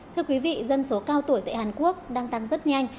thưa quý vị dân số cao tuổi tại hàn quốc đang tăng rất nhanh